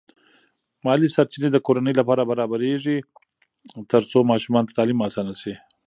مالی سرچینې د کورنۍ لپاره برابرېږي ترڅو ماشومانو ته تعلیم اسانه شي.